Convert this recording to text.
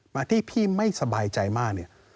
มาที่พี่ไม่สบายใจมากเนี่ย